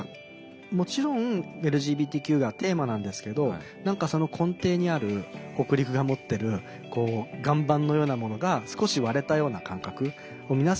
もちろんＬＧＢＴＱがテーマなんですけど何かその根底にある北陸が持ってる岩盤のようなものが少し割れたような感覚を皆さんが感じたみたいで。